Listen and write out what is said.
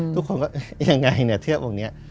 ทุกคนก็ยังไงเนี่ยเทือกองค์นี้